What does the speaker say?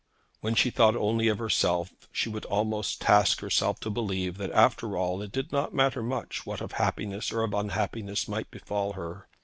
When she thought only of herself, she would almost task herself to believe that after all it did not much matter what of happiness or of unhappiness might befall her.